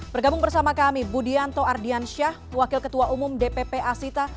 bergabung bersama kami budianto ardiansyah wakil ketua umum dpp asita